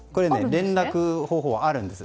連絡方法あるんです。